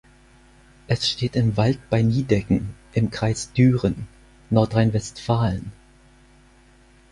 Es steht im Wald bei Nideggen im Kreis Düren, Nordrhein-Westfalen.